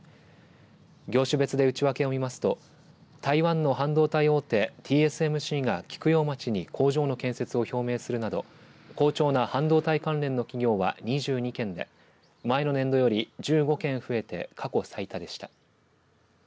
業種別で内訳を見ますと台湾の半導体大手ＴＳＭＣが菊陽町に工場の建設を表明するなど好調な半導体関連の企業は２２件で前の年度より１５件増えて過去最多でした。